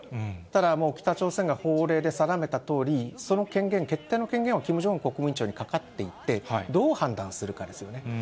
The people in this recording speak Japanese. ただ、もう北朝鮮が法令で定めたとおり、その権限、決定の権限をキム・ジョンウン国務委員長にかかっていて、どう判断するかですよね。